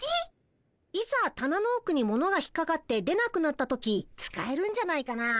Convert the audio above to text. いざたなのおくにものが引っかかって出なくなった時使えるんじゃないかな。